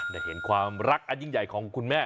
ได้เห็นความรักอันยิ่งใหญ่ของคุณแม่